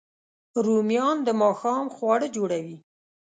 رومیان د ماښام خواړه جوړوي